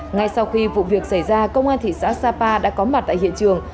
ngay sau khi vụ việc xảy ra công an thị xã sapa đã có mặt tại hiện trường